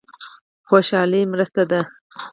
خوشالي مرسته ده.